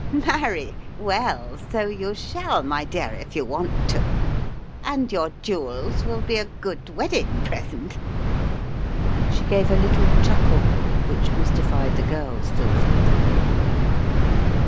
"Marry, well, so you shall, my dear, if you want to, and your jewels will be a good wedding present." She gave a little chuckle which mystified the girl still further.